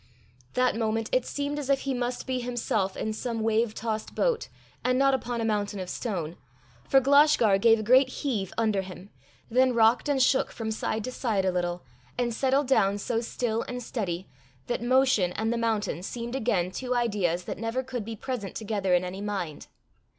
That moment it seemed as if he must be himself in some wave tossed boat, and not upon a mountain of stone, for Glashgar gave a great heave under him, then rocked and shook from side to side a little, and settled down so still and steady, that motion and the mountain seemed again two ideas that never could be present together in any mind.